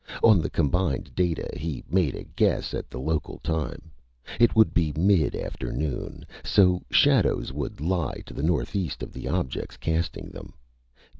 On the combined data, he made a guess at the local time. It would be mid afternoon. So shadows would lie to the northeast of the objects casting them.